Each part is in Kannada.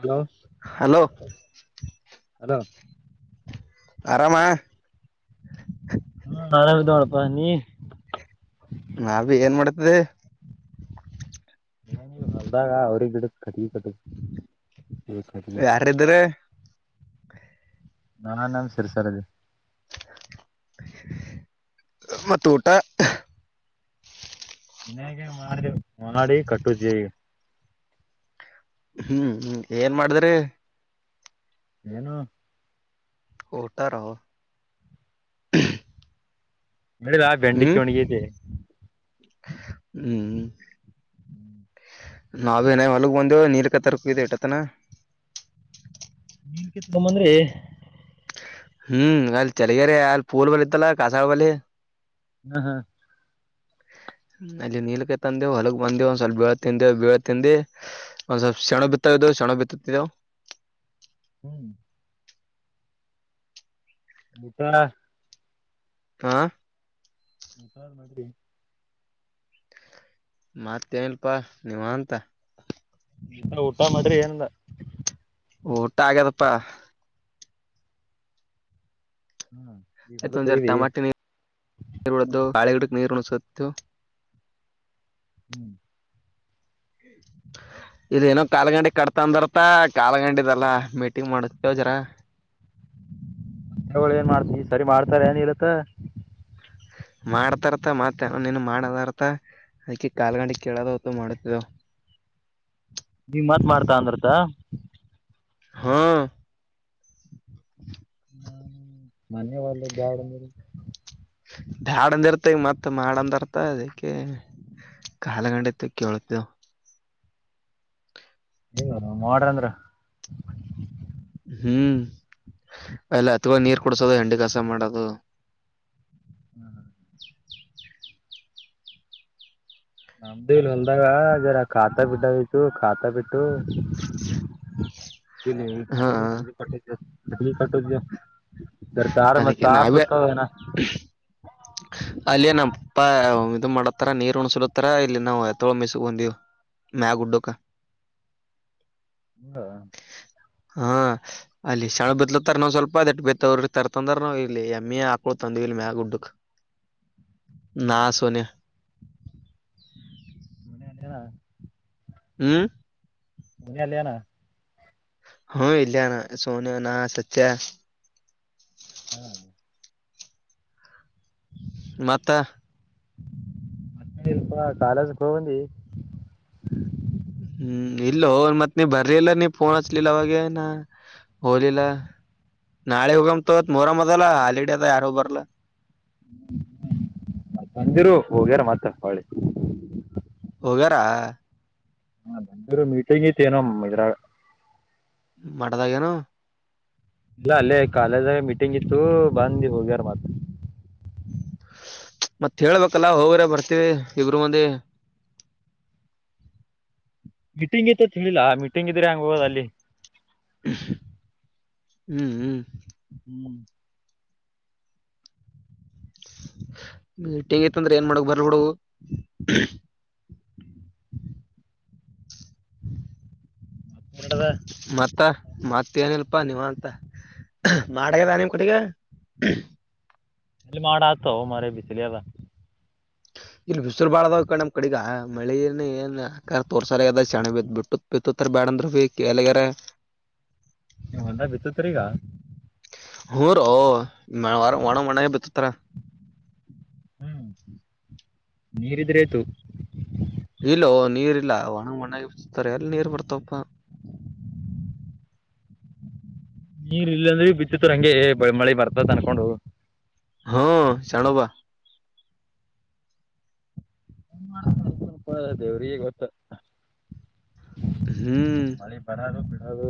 Hello hello. ಹಲೋ. ಆರಾಮ. ಪಾ ನೀ. ನಾ ಬಿ ಏನ್ ಮಾಡ್ತದೆ. ನಾನ್ ಇವಾಗ ಹೊಲ್ದಾಗ ಅವ್ರಿ ಗಿಡಕ್ [unintelligible] ಯಾರಿದ್ರ ನಾನ್ ಸರ್ಸಾರದು. ಮತ್ ಊಟ. ಇನ್ನಗೆ ಮಾಡಿವ ಮಾನಡಿ ಕಟ್ಟುಚಯ. ಹ್ಮ್ಮ್ ಹ್ಮ್ಮ್ ಏನ್ ಮಾಡಿದ್ರಿ. ಏನು. ಊಟಾರೋ. ಬೆಳಗ ಬೆಂಡೆಕಾಯಿ ಒಣಗಿ ಐತೆ. ಹ್ಮ್ ಹ್ಮ್ ನಾವೇ ಇನ ಹೊಲಗ್ ಬಂದೇವ ನೀರ್ ಕ ತರಕ ಇಟತನ. ನೀನ್ ಕ ತಕೊಂದ್ರಿ. ಹ್ಮ್ ಅಲ್ಲಿ ಚರಗೇರಿ ಅಲ್ಲಿ ಪೂಲ್ ಬಳಿತ್ತಲ್ಲ ಕಾಸಾ ವಳಿ. ಹ್ಮ ಹ್ಮ್ ಅಲ್ಲಿ ನೀಲಕೈ ತಂದೆವು ಹೊಲಗ್ ಬಂದೆ ಒಂದ್ ಸ್ವಲ್ಪ ಬೇಳೆ ತಿಂದೇವು ಬೇಳೆ ತಿಂದು ಒಂದ ಸ್ವಲ್ಪ್ ಸೆಣು ಬಿತ್ತ. ಸೆಣಬು ಬಿಟ್ಟುತೆವ್. ಹ್ಮ್ [unintelligible] ಹ [unintelligible] ಮತ್ತೆೇಲ್ಪಾ ನೀವ ಅಂತ. ಊಟ ಊಟ ಮಾಡ್ರಿ ಏನಂದ. ಊಟ ಆಗ್ಯದಪ್ಪಾ. ಹ್ಮ ಈಗ ಆಯ್ತ್ ಹೊಲಕ್ ಒಂದ ಹೋಗಿದಿ ಟಮಾಟೆ ನೀಡ ಬೆಳೆಗಿಡಕ್. ನೀರು ಉಣಸಿತವ್. ಹ್ಮ್ ಇದು ಎನೋ ಕಾಲ್ಗಂಡಿ ಕಟ್ತಂದರ್ತ ಕಾಲ್ಗಂಡಿದಲ್ಲ ಮೀಟಿಂಗ್ ಮಾಡವ ಜರ. ಅವಳ ಏನ್ ಮಾಡ್ತವಿ ಸರಿ ಮಾಡ್ತಾರ ಏನ್ ಇಲತ್ತ. ಮಾಡ್ತಾರತ ಮತ್ತೆನ ನೀನು ಮಾಡದಾರ್ಥ. ಅದ್ಕೆ ಕಾಲ್ಗಂಡಿ ಕೇಳದ ಹೊತ್ತು ಮಾಡತ. ನೀವ್ ಮತ್ ಮಾಡ್ತಾ ಅಂದ್ರತಾ. ಹಾ ನ ಮನೆ ಒಲ್ಲ ಗಾಡ. ಬ್ಯಾಡಂದ ಇರ್ತ ಈಗ ಮತ್ತ್ ಮಾಡಂದರ್ತ ಅದಕ್ಕೆ. ಕಾಲಗಂಡ ಇತ್ತು ಕೆಳತಿವ. ಇ ಮಾಡೋರ ಅಂದ್ರ. ಹ್ಮ್ ಎಲ್ಲ ಹತ್ಳ ನೀರ್ ಕುಡಸೋದು ಹೆಂಡಿ ಕಸ ಮಾಡೋದು ಹ್ಮ್ ಹ್ಮ ನಮ್ದೇ ಇಲ್ ಹೊಲ್ದಾಗ ಅರ ಖಾತಾ ಬಿಟ್ಟ ಆಯ್ತು ಖಾತಾ ಬಿಟ್ಟು ಇ ಹಾ ಹಟ ಕಟ್ಟ ಹಟ ಕಟ್ಟ ದರ್ದಾರ ಮ ಅದಕ್ಕೆ ತಾರ ನಾವೇ ಸತ್ತನ ಅಲ್ಲಯ ನಮ್ಮ ಪಪ್ಪಾ ಇದು ಮಾಡತ್ತಾರ ನೀರ್ ಉಣಸಡತ್ತಾರ ಇಲ್ಲಿ ನಾವುತ್ತೊಳ ಮೆಿಸಗ್ ಬಂದೀವು ಮ್ಯಾ ಗುಡ್ಡೋಕ ಹ ಹಾ ಅಲ್ಲಿ ಶಣ ಬಿತ್ಲತರ್ ನಾವ್ ಸ್ವಲ್ಪ ಅದ ಬತ್ತವ್ರ ತರ್ತಂದ್ರ ನಾವವು ಇಲ್ಲಿ ಎಮ್ಮೆ ಹಾಕೋ ತಂದಲ್ ಮಗುಡುಕ್ ನಾ ಸೋನಯ ಮ ಹ್ಮ್ ಮನ ಅಲ್ಲಿಯನ ಹ್ಮ ಇಲ್ಯಾನ ಸೋನಿಯ ನಾ ಸತ್ಯ ಹಾ ಮತ್ತ ಮತ್ತಪ ಕಾಲೇಜಕ್ ಹೋಗಂದಿ ಹ್ಮ್ ಇಲ್ಲ ಮತ್ ನೀ ಬರ್ರಿಿಲ್ಲ ನೀ ಪೋನ್ ಹಚ್ಲಿಲ್ಲ ಅವಾಗೇನ ಹಲಿಲ ನಾಳೆ ಉಗಮತ ಮರ ಮಜಲ್ಲ ಹಾಲಡೆದ ಯಾರ ಉಬರಲ್ಲ ಬಂದಿರು ಹೋಗ್ಯಾರ ಮತ್ತ ಹಳಿ ವಗರ ಹ ನರು ಮೀಟಿಂಗ್ ಐತೆ ಏನೋ ಇದ್ರಾಗ ಮಟದಾಗನು ಇಲ್ಲ ಅಲ್ಲೇ ಕಾಲೇಜಾಗ ಮೀಟಿಂಗ್ ಇತ್ತು ಬಂದ ಹೋಗ್ಯಾರ ಮಾತ್ರ ಮತ್ತತ್ ಹೇಳ್ಬೇಕಲ್ಲ ಹೋಗ್ರೆ ಬರ್ತೇವಿ ಇಬರು ಮಂದಿ ಮೀಟಿಂಗ್ ಇತ ತಿಿಲ್ಲಾ ಮೀಟಿಂಗ್ ಇದ್ರೆ ಹಂಗ ಹೋದ ಅಲ್ಲಿ ಹ್ಮ್ ಹ್ಮ್ ಹ್ಮ್ ಟಿಂಗ ಇತ್ ಅಂದ್ರೆ ಏನ್ ಮಾಡ ಬರ್ ಹಡು [inaudible] ಎರಡದ ಮತ ಮಾ ಏನಲ್ಪಾ ನೀವ ಅಂತ ಮಾಡದ ನಿಮ್ ಕುಡಗ ಎಲ್ಲಿ ಮಾಡ ಆತ ಅವ ಮರ ಬಿಸಿಲಿ ಅದ ಇಲ್ಲಿ ಬಿಸಿಸಿರು ಬಾಳದಾವ ಕ ನಮ್ ಕಡಿಗ ಮಳೇ ಏನ್ ಆ ತೋರ್ಸಾರ ಅದ ಚಣೆತ್ ಬಿಟ್ಟು ಬಿತ್ತ ಕಡ ರೂಪಿ ಎಲೆಗರೆ ನೀ್ ಹೊಂದ ಬಿತ್ತತ್ರಿೀಗ ಹ್ಮ ರೋ ಒಣ ಒಣ ಬತರ ಹ್ಮ್ ನೀರಿದ್ರೆ ಆಯ್ತು ಇಲ್ಲೋ ನೀರ್ ಇಲ್ಲ ಒಣ ಒಣಗತಾರೆ ಎಲ್ಲ ನೀರ್ ಬರ್ತಪ್ಪ [inaudible] ನೀರ್ ಇಲ್ಲ ಅಂದ್ರೆ ಬಿತ್ತಿತ್ತುರು ಹಂಗೆ ಮಳೆ ಬರ್ತ ಅನ್ಕೊಂಡು ಹ್ಮ ಶಾಣವಾ ಹ ದೇವ್ರಿಗೆ ಗತ್ತ ಹ್ಮ್ ಅದು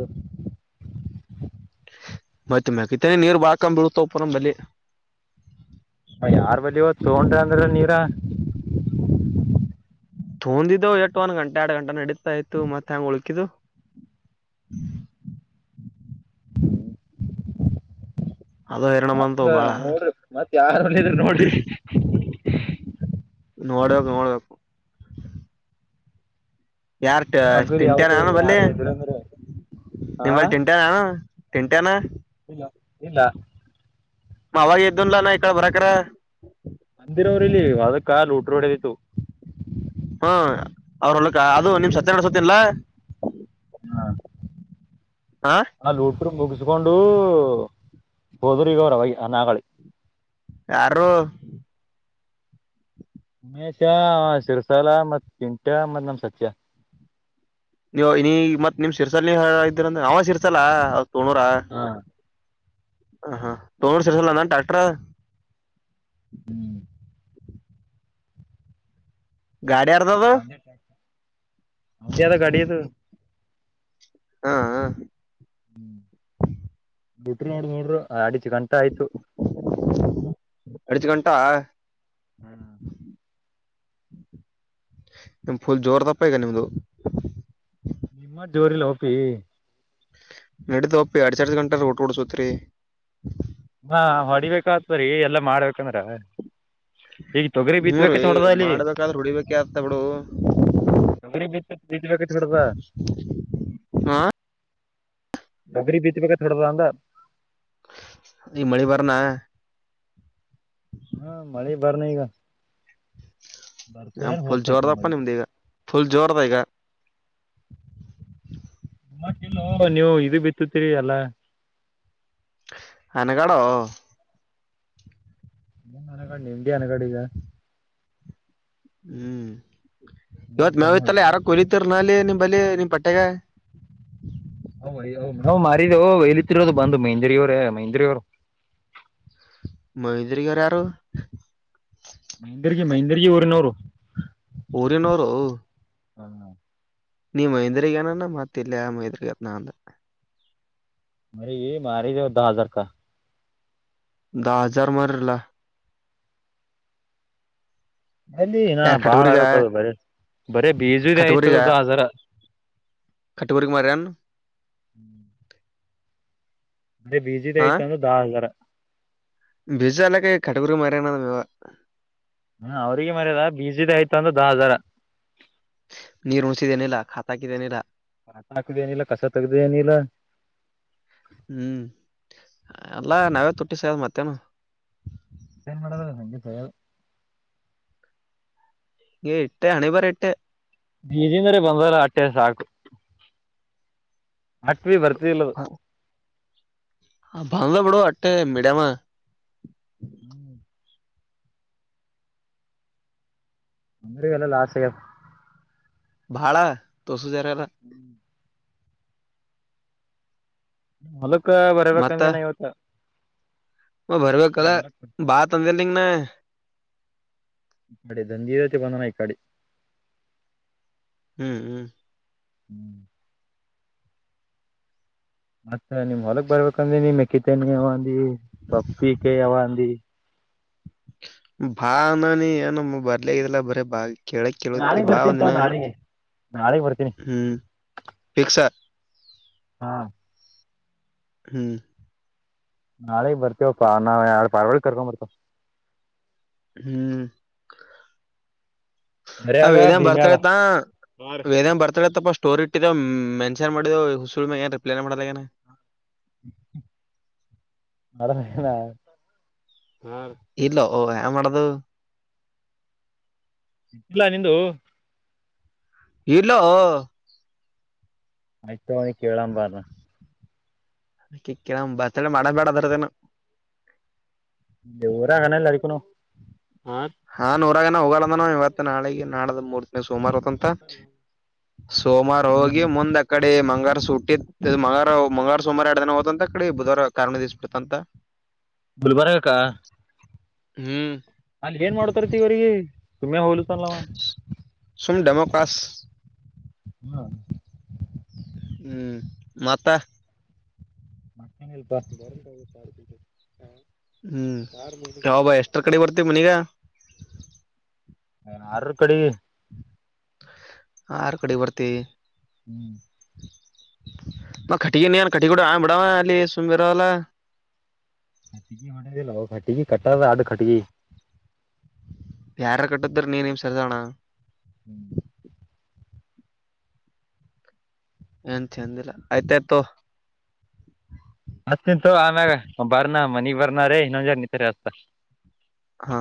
ಮತ್ತ ಮಕ ಇತ್ತನೆ ನೀರು ಬಾಕ ಬಿಳತ ಪರ ಬಲಿ ಯಾರ್ ಬಳಿಯ ತಗೊಂಡ್ರಿ ಅಂದ್ರ ನೀರ ತೊಂದಿದ್ದವು ಎಟ್ಟು ಒಂದ್ ಗಂಟೆ ಎರಡ್ ಗಂಟೆ ನಡೀತಾ ಇತ್ತು ಮತ್ತೆ ಹೆಂಗ ಉಳಕಿದ್ದು ಹ ಅದು ಹೆರಣ ಮತ್ತ ಬಂತವು ಬಾಳ ನೋಡ್ರಿ ಮತ್ ಯಾರಲ್ಲ ಇದ್ರು ನೋಡ್ರಿ [inaudible] ನೋಡ ನೋಡ್ಬೇಕು ಯಾರ್ು [unintelligible] ಮಗ್ಗಲ್ ಯಾವ ತಿಂಟೇನ ನಾನು ಬಲ್ಲಿಿ ಯಾರ ಇದ್ರ ಅಂದ್ರ ಹಾ ನಿಮಲ್ಲಿ ತಿಂಟೇನ ನಾನು ತಿಂಟೆನಾ ಇಲ್ಲ ಇಲ್ಲಾ ನಾ ಆವಾಗ ಎದ್ದುನ್ಲಾನ ಇಕಡ ಬರಕರ ಬಂದಿರ ಅವ್ರ ಇಲ್ಲಿ ಅದಕ ಲೂಟರ ಹೊಡಿದಿತ್ತ ಹ್ಮ ಅವ್ರ ಹೊಲ್ಲಕ್ ಅದು ನಿಮ್ ಸತ್ಯನ ಹೊಡಸಾತಿನಲಾ ಹ್ಮ ಆ ಲೂಟ್ರ ಮುಗಸಕೊಂಡು [inaudible] ಬೋದರಿಗ ಅವರ ಅವಯ ನಾಗಳಿ ಯಾರೊ ಉಮೇಶ ಅಂವ ಶಿರಶೈಲ ಮತ್ ಚಿಂಟ್ಯಾ ಮತ್ತ್ ನಮ ಸತ್ಯ ನೀವು ನೀ ಮತ್ ನಿಮ್ ಶಿರಶೈಲ ನೀ ಇದ್ದೀರಂದ್ರ ಅಂವ ಶಿರಶೈಲ ಅ ಸೊಣುರಾ ಹಾ ಅಂ ಹ ಸೊಣುರ ಶಿರಶೈಲ ಅಣ್ಣಾದ ಎನ ಟ್ರ್ಯಾಕ್‌ಟರ ಅದ ಹ್ಮ್ ಗಾಡಿ ಯಾರದ ಅದ ನಂದೆ ಅದ ಗಾಡಿ ಇದು ಹಂ ಅ ಹಂ ಲೂಟರ ಹೊಡದ ಹೋದ್ರು ಅಡಿಚ ಗಂಟಾ ಆಯ್ತು [unintelligible] ಅಡಿಚ್ ಗಂಟಾ ಹ್ಮ್ ಫುಲ್ ಜೋರ್ ಅದಪ ಈಗ ನಿಮ್ಮದು ನಿಮ್ಮಟ್ಟ ಜೋರ ಇಲ್ಲೊ ಅಪಿ ನಡಿದ ಒಪ್ಪಿ ಎರಡ್ ತಾಸ ಗಂಟ ರೂಟರ ಹೊಡಸಕೊತಿರಿ ಹಾ ಹೊಡಿಬೇಕ ಅತ್ರಿ ಎಲ್ಲಾ ಮಾಡ್ಬೇಕಂದ್ರ ಈಗ ತೊಗರಿ ಹ್ಮೂ ರೀ ಬಿತ್ಬೇಕ ನೋಡದಲ್ಲಿ ಮಾಡ್ಬೇಕಾದ್ರೆ ಹೊಡಿಬೇಕ ಆತ್ತ ಬಿಡು ನಂಗಡಿ ಬ ಬಿದ್ದಬೇಕ ೋಡದ [unintelligible] ಹ ತೊಗರಿ ಬಿತ್ತಬೇಕ [inaudible] ಈ ಮಳಿ ಬರಣ ಹ್ಮ ಮಳೆ ಬರಲಿ ಈಗ ಬರ್ತದ ಎನ ಏನ್ ಫುಲ್ ಹೋಗ್ತಕ್ರಿ ಜೋರದಪ್ಪ ಮಳಿ ನಿಮ್ದ್ ಈಗ ಫುಲ್ ಜೋರದ ಈಗ [unintelligible] ನೀವು ಇದು ಬಿತ್ತತ್ತೀರಿ ಅಲ್ಲ ಅನಗಾಡೋ ಇನ್ [unintelligible] ಹನಗಾ ನಿಮ್ದಿ ಅನಗಡೆ ಈಗ ಹ್ಮ್ ನೀರ್ ಇವತ್ ಚಂದ ಮೇವತ್ತಲ್ಲ ನೋಡ್ರಿ ಯಾರೊ ಕೊರಿತಾರಲ ಅಲ್ಲಿ ನಿಮ ಅಲಿ ನಿಮ್ ಪಟ್ಟ್ಯಗ [unintelligible] ನಾವು ಮಾರಿದೆ ಎಲಿತಿರೋದು ಬಂದು ಮೆಂದ್ರಿಯವರ ಮೆಂದ್ರಿಯವರ [inaudible] ಮೈದ್ರಿಗರ ಯಾರು? ಮೈಹಂದರ್ಗಿ ಮೈಹಂದರ್ಗಿ ಊರಿನವರು ಊರಿನವರು ಕಣ್ಣ ನೀ ಮಹಂದ್ರಗನಾನ ಮತ್ತ ಇಲ್ಲಿಯ ಮಹಂದ್ರಗತ್ ನಾ ಮರಿ ಈ ಮಾರಿದೆವ ದಾ ಹಜಾರಕ ದಾ ಹಜಾರ್ ಮಾರಿರಲಾ ಎಲ್ಲಿನಾ ಯಾರ್ ಬಾಳ್ ಕಟಗುರಿಗ ಆಗ್ಬೇಕ ಬರ ಬರೇ ಬೀಜದ ಆಯ್ತದ ದಾ ಹಜರ ಕಟ್ಟಗರಿಗ ಮಾರೆನು ಬರೆ ಬೀಜದ ಆಯತು ಅಂದ್ ದಾ ಹಜಾರ ಬೀಜ ಎಲ್ಲಾ ಕಟಗರಿಗ ಮಾರೇನ ಅ ಹಂ ಅವ್ರಿಗೆ ಮಾರೆದ ಬೀಜದ ಆಯ್ತು ಅಂದ್ರ ದ ಹಜಾರ ನೀರ ಉಣ್ಸಿದೆ ಎನ ಇಲ್ಲ ಕಥಾ ಹಾಕಿದ ಎನ ಇಲ್ಲ? ರತ್ನ ಹಾಕದ ಏನಿಲ್ಲ ಕಸ ತಗ್ದ ಏನಿಲ್ಲ ಹ್ಮ್ ಅಲ್ಲ ನಾವೇ ತುಟ್ಟಿಸದ್ ಮತ್ತೇನು ೇನ್ ಮಾಡಡದಲ್ಲ ನಿಗ ಸೇಲ್ ಈ ಎಟ್ಟ ಆಣ ಬ ಎಟ್ಟೆ ಮಟ್ಟೆ ಸಾಕು ಹಾಕ್ವಿ ಬರ್ತಲ್ಲದು ಹ ಭಂಗಲ ಬಡೋ ಅೆ ಮೀಡಿಯ ಹ್ಮ್ ಅಂದ್ರಗಲ್ಲ ಲ ಆಸಗ ಭಾಳ ತುಸು ಜಾರಲ್ಲ ಮಲಕ ಬರ್ಬೇಕಂದೆಿನ ಇವತ್ತ ಹ ಬರ್ಬೇಕಲ್ಲ ನಿಮ್ ಹೊಲಕ್ ಬಾ ತಂದಿಲ್ ನಿಂಗನ ಇ ಕಡೆ ದಧರ ಬಂದಣ ಇ ಕಾಡೆ ಹ್ಮ್ ಹ್ಮ್ ಹ್ಮ್ ಮತ್ತೆ ನಿಮ್ ಹೊಲಗ್ ಬರ್ಬೇಕಂದ್ರ ನೀ ಮೆಕ್ಕ ತನ್ ಯಾವ ಅಂದಿ ಪಪ್ಪಿಕಾಯ ಯಾವ ಅಂದಿ ಬಾ ನಾನ ಏನ ಬರ್ಲ ಇದಲ್ಲಾ ಬರೀ ಬಾಗಿ ಕೇಳಕ್ ಕೇಳತಿ ನಾಳಿಗ್ ಬಾ ಬರ್ತೀನಿ ತಗೋ ಒಂದಿನ ನಾಳಿಗೆ ನಾಳಿಗ್ ಬರ್ತೀನಿ ಹ್ಮ್ ಿಕ್ಸ ಹಾ ಹ್ಮ್ ನಾಳೆಗ್ ಬರ್ತೇವಪ್ಪಾ ನಾವ ಯ ಪಾರ್ವಾಳ ಕರ್ಕೊಂಡ್ ಬರ್ತ ಹ್ಮ್ ಆ ಬರಿಯಾಗ ವೇದ್ಯ ಭೀಮ್ಯಾಗ ಬರ್ತಾಳೆತ್ತ ಹಾ ವೇದ್ಯನ್ ಬರ್ತಾಳೆತ್ತ ಪಸ್ಟ್ ಸ್ಟೋರಿ ಇಟ್ಟರ ಮೆನ್ಷನ್ ಮಾಡಿದ ಹುಸು ಮ್ಯಾಗ ಏ ರಿಪ್ಲೈ ಮಾಡದ ಏನ ಮಣ ಇಲ್ಲ ಓ ಮಾಡಡದು ಇಿಲ್ಲ ನಿಂದು ಇಲ್ಲ ಆಯ್ತು ಅವನಿ ಕೇಳಂಬಾರ ಅಕಿ ಕ ಬತ್ಳ ಮಾಡಬೇಡ ಅದಾರದೇನ ಊರ ಅಗನ ಇಲ್ಲ ಅಡಕ್ಕನ ಹಾನ್ೂರಾಗನ ಹೋಗದನ ಇವತ್ ನಾಳ ನಾಳ್ದ ಮೂರ್ತಿ ಸೋಮಾರತ್ಂತ ಸೋಮವಾರ ಹ್ಮ್ ಹೋಗಿ ಹ್ಮ್ ಮುಂದೆ ಕಡೆ ಡಿ ಮಂಗಾರ ಸುಟ್ಟಿ ಮಂಗಾರ ಮಂಗ್ಾರ ಸುಮಾರ ಎರಡು ದಿನ ಹೋ್ಂತ ಕಡೆ ಬುಧವಾರ ಕಾರ್ಣದಸ್ ಬಿಿತಂತ ಗುಲ್ಬರ್ಗಕ್ಕ ಹ್ಮ್ ಅಲ್ಲಿ ಏನ್ ಮಾಡ್ತಾರತಿವ್ರಗ ತುಿ ಹಲ್ಲ ಚಲ್ಲವ ಸುಮ್ ಡೆಮೋ ಕ್ಲಾಸ್ ಹಾ ಹ್ಮ್ ಮಾತ ಮತ್ತನ ಬ ಬ ಹ್ಮ್ ಯಾವ ಬಾ ಎಷ್ಟರ ಕಡೆ ಬರ್ತೀವಿ ಮನಿಗ ನ್ ಆಾರ ಕಡೆ ಆ ಆರ ಕಡೆ ಬರ್ತಿ ಹ್ಮ್ ನ ಕಟ್ಟಿಿಗೆ ನೀ ಕಟ್ಟಿಗೂಡ ಆ ಬಿಡಾವ ಅಲ್ಲಿ ಸುಮ ಬರಲ್ಲ ಟ್ಟ ಹೊ ಲ ಟ್ಟಿಗ ಕಟ್ಟ ಅಡ್ ಟ್ಟಗ ಪ್ಯಾರ ಕಟ್ಟದ್ರ ನೀನಮ ಸರದೋಣ ಹ್ಮ್ ಎಏಂತಂದಿಲ್ಲ ಆಯ್ತಾಯ್ತೋ ಅತ್ ನಿಂತು ಆಮ್ಯಾಗ ಬರ್ನಾ ಮನಗ್ ಬರ್ನ ರೇ ಇನ್ನೊಜಾರ್ ನಿಂತಾರ ಅತ ಹಾ